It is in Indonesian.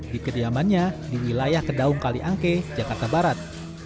di kediamannya di wilayah kedaung kaliangke jakarta barat